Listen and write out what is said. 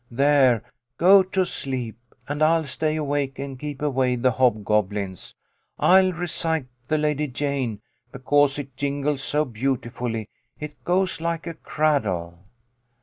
"There, go to sleep, and I'll stay awake and keep away the hobgoblins. I'll recite the Lady Jane, because it jingles so beautifully. It goes like a cradle."